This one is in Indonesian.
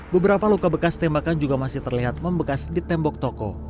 beberapa luka bekas tembakan juga masih terlihat membekas di tembok toko